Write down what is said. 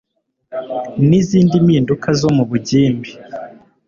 n'izindi mpinduka zo mu bugimbi